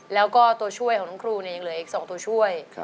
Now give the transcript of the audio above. แล้วก็ตัวช่วยของน้องครูเนี่ยยังเหลืออีก๒ตัวช่วย